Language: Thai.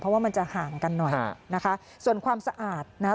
เพราะว่ามันจะห่างกันหน่อยนะคะส่วนความสะอาดนะฮะ